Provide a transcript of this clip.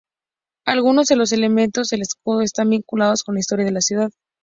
Algunos de los elementos del escudo están vinculados con la historia de la ciudad.